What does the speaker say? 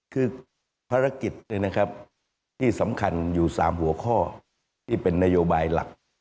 คือภารกิจที่สำคัญอยู่๓หัวข้อที่เป็นนโยบายหลัก